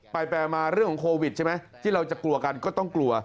ไปมาเรื่องของโควิดใช่ไหมที่เราจะกลัวกันก็ต้องกลัว